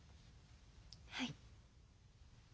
はい。